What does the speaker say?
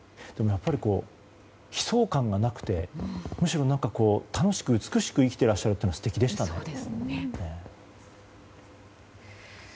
やっぱり、悲壮感がなくてむしろ、楽しく美しく生きていらっしゃるというのは素敵でしたね。